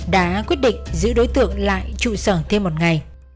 đã quyết định giữ đối tượng lại trụ sở thêm một ngày